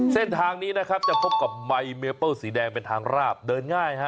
เส้นทางนี้จะพบกับไมมี้เปิลสีแดงเป็นทางราบเดินง่าย